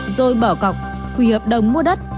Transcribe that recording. rồi bỏ cọc hủy hợp đồng mua đất